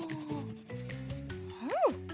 うん！